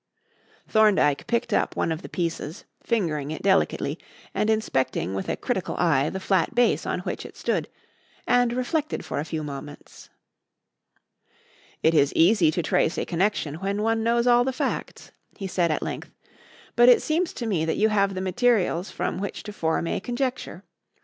Thorndyke picked up one of the pieces, fingering it delicately and inspecting with a critical eye the flat base on which it stood, and reflected for a few moments. "It is easy to trace a connection when one knows all the facts," he said at length, "but it seems to me that you have the materials from which to form a conjecture.